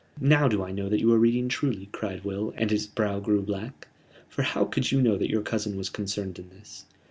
"Now do I know that you are reading truly," cried Will, and his brow grew black. "For how could you know that your cousin was concerned in this?